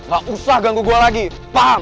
gak usah ganggu gue lagi pak